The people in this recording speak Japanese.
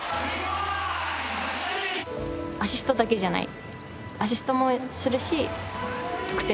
アシストだけじゃない。